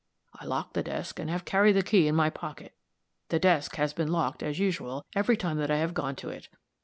I locked the desk, and have carried the key in my pocket. The desk has been locked, as usual, every time that I have gone to it.